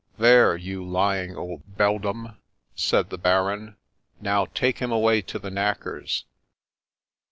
' There, you lying old beldame !' said the Baron ;* now take him away to the knacker's.'